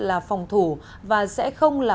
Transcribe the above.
là phòng thủ và sẽ không là